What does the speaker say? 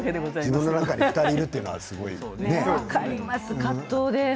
自分の中に２人いるというのはすごいですね。